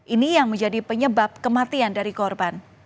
ini yang menjadi penyebab kematian dari korban